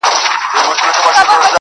لكه سپوږمۍ چي ترنده ونيسي.